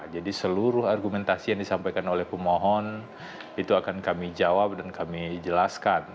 jadi seluruh argumentasi yang disampaikan oleh pemohon itu akan kami jawab dan kami jelaskan